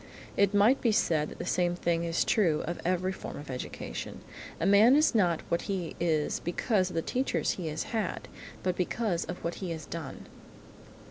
It might be said that the same thing is true of every form of education; a man is not what he is because of the teachers he has had, but because of what he has done.